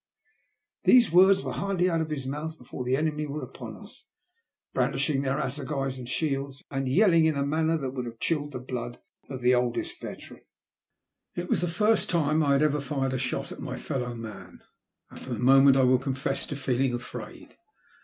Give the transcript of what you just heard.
The words were hardly out of his mouth before the enemy were upon us, brandishing their assegais and shields, and yelling in a manner that would have chilled the blood of the oldest veteran. It was the first time I had ever fired a shot at my fellow man, and for the moment I will confess to feeling afraid.